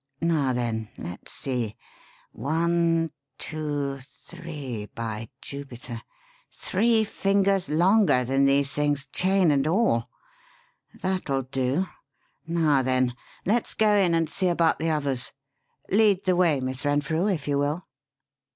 Now, then, let's see. One, two, three, by Jupiter three fingers longer than these things, chain and all. That'll do. Now, then, let's go in and see about the others. Lead the way, Miss Renfrew, if you will."